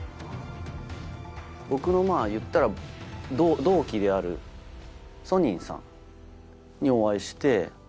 僕の言ったら同期であるソニンさん。にお会いして。